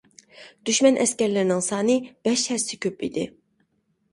دۈشمەن ئەسكەرلىرىنىڭ سانى بەش ھەسسە كۆپ ئىدى.